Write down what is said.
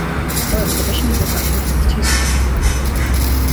However, the British Museum of Natural History has two specimens from Guadeloupe.